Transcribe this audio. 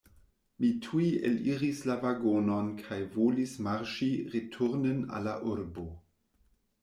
Mi tuj eliris la vagonon kaj volis marŝi returnen al la urbo.